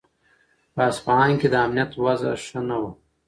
په اصفهان کې د امنیت وضع ښه نه وه.